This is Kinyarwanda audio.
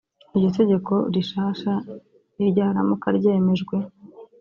Iryo tegeko rishasha ni ryaramuka ryemejwe